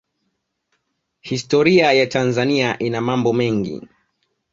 Historia ya Tanzania ina mambo mengi